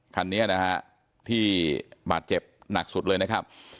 คันนี้นะฮะที่บาดเจ็บหนักสุดเลยนะครับ